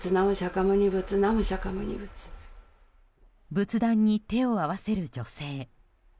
仏壇に手を合わせる女性。